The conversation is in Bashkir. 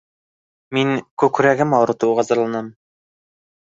Мин күкрәгем ауыртыуға зарланам